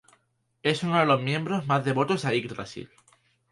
Es uno de los miembros más devotos a Yggdrasil.